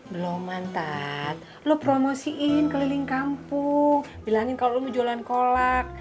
beloman tat lo promosiin keliling kampung bilangin kalo lo mau jualan kolak